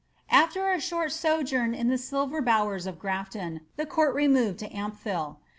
Ailer a short sojourn in the silver bowers of Grafton, the court re* moved to Ampthill.